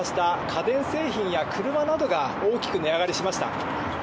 家電製品や車などが、大きく値上がりしました。